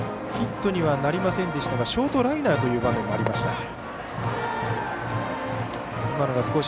ヒットにはなりませんでしたがショートライナーという場面もありました。